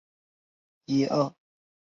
太阳天文学的主要分支是太阳物理学。